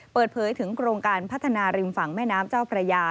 เปิดเผยถึงโครงการพัฒนาริมฝั่งแม่น้ำเจ้าพระยา